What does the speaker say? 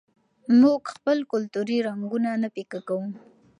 موږ خپل کلتوري رنګونه نه پیکه کوو.